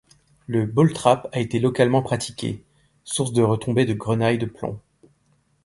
Le ball-trap a été localement pratiqué, source de retombées de grenaille de plomb.